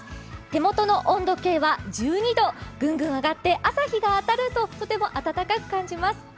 手元の温度計は１２度ぐんぐん上がって、朝日が当たると、とても暖かく感じます。